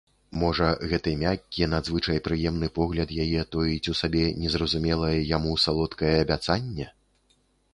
Можа, гэты мяккі, надзвычай прыемны погляд яе тоіць у сабе незразумелае яму салодкае абяцанне?